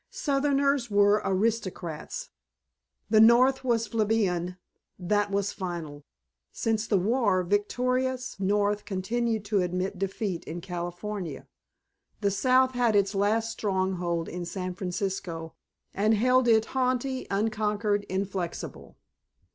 Southerners were aristocrats. The North was plebeian. That was final. Since the war, Victorious North continued to admit defeat in California. The South had its last stronghold in San Francisco, and held it, haughty, unconquered, inflexible.